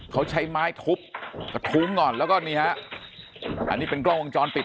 เขาใช้ไม้ทุบกระทุ้งก่อนแล้วก็นี่ฮะอันนี้เป็นกล้องวงจรปิด